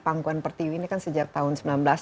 pangkuan pertiwi ini kan sejak tahun